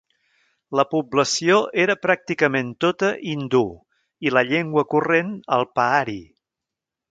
La població era pràcticament tota hindú i la llengua corrent el pahari.